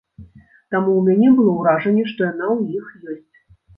Таму ў мяне было ўражанне, што яна ў іх ёсць.